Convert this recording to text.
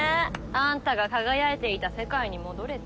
あんたが輝いていた世界に戻れて。